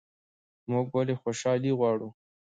موږ ولې خوشحالي غواړو؟